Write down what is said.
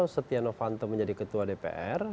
setia novanto menjadi ketua dpr